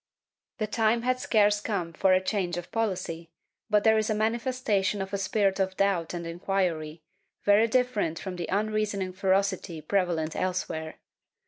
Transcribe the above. The time had scarce come for a change of pohcy, but there is a manifestation of a spirit of doubt and inquiry, very different from the unreasoning ferocity prevalent elsewhere.